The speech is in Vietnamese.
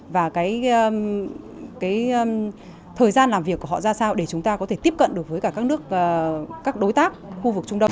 và cái thời gian làm việc của họ ra sao để chúng ta có thể tiếp cận được với các đối tác khu vực trung đông